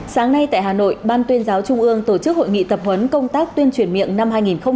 sáng nay tại hà nội ban tuyên giáo trung ương tổ chức hội nghị tập huấn công tác tuyên truyền miệng năm hai nghìn hai mươi